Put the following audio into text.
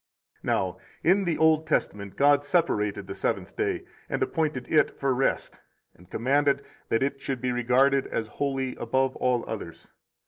80 Now, in the Old Testament, God separated the seventh day, and appointed it for rest, and commanded that it should be regarded as holy above all others.